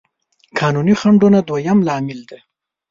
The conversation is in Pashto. قانوني خنډونه دويم لامل دی.